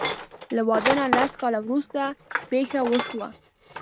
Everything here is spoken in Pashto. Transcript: له واده نه لس کاله وروسته پېښه وشوه.